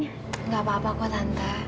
tidak apa apa tante